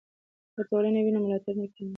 که ټولنه وي نو ملاتړ نه کمیږي.